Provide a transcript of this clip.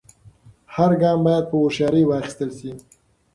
هر ګام باید په هوښیارۍ واخیستل سي.